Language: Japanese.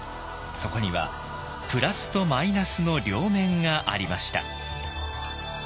そこにはプラスとマイナスの両面がありました。